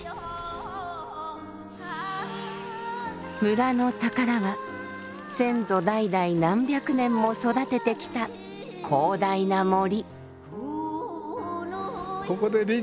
村の宝は先祖代々何百年も育ててきた広大な森。